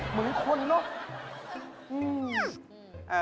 เหมือนคนเนอะ